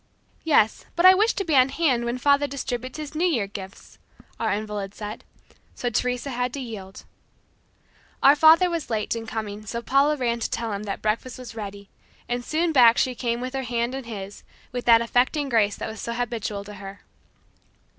"Yes, but I wish to be on hand when father distributes his New Year gifts," our invalid said. So Teresa had to yield. Our father was late in coming so Paula ran to tell him that breakfast was ready, and soon back she came with her hand in his, with that affecting grace that was so habitual to her.